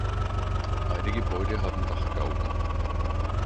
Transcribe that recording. Beide Gebäude haben Dachgauben.